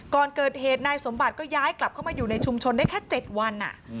ก่อนเกิดเหตุนายสมบัติก็ย้ายกลับเข้ามาอยู่ในชุมชนได้แค่๗วัน